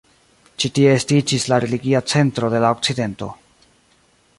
Ĉi tie estiĝis la religia centro de la okcidento.